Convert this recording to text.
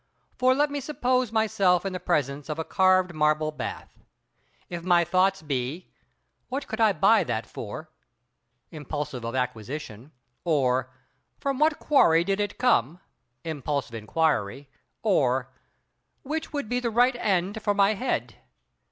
For, let me suppose myself in the presence of a carved marble bath. If my thoughts be "What could I buy that for?" Impulse of acquisition; or: "From what quarry did it come?" Impulse of inquiry; or: "Which would be the right end for my head?"